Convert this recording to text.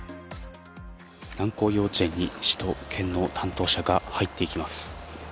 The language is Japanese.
南光幼稚園に市と県の担当者が入っていきます。